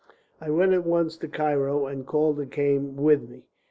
"I went at once to Cairo, and Calder came with me.